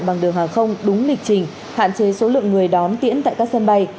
bằng đường hàng không đúng lịch trình hạn chế số lượng người đón tiễn tại các sân bay